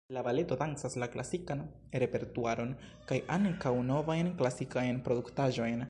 La baleto dancas la klasikan repertuaron kaj ankaŭ novajn klasikajn produktaĵojn.